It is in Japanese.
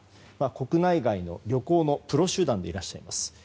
国内外の旅行のプロ集団でいらっしゃります。